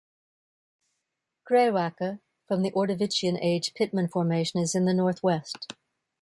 Greywacke from the Ordovician age Pittman Formation is in the north west.